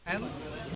dan jangka panjang